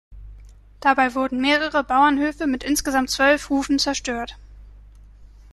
Dabei wurden mehrere Bauernhöfe mit insgesamt zwölf Hufen zerstört.